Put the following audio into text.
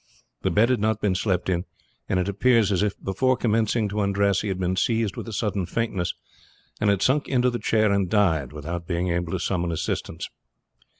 The bed had not been slept in, and it appears as if before commencing to undress he had been seized with a sudden faintness and had sunk into the chair and died without being able to summon assistance.